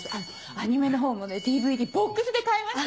アニメのほうもねＤＶＤボックスで買いました！